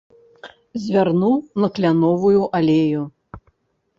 Звярнуў на кляновую алею.